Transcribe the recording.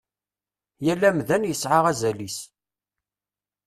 Yal amdan yesɛa azal-is.